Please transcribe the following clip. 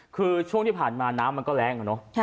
คือช่วงที่ผ่านมาน้ำมันก็แรงอะเนาะ